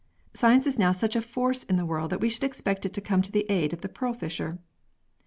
Science is now such a force in the world that we should expect it to come to the aid of the pearl fisher.